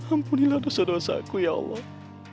ampunilah dosa dosaku ya allah